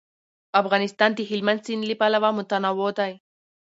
افغانستان د هلمند سیند له پلوه متنوع دی.